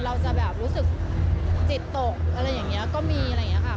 เราจะแบบรู้สึกจิตตกอะไรอย่างนี้ก็มีอะไรอย่างนี้ค่ะ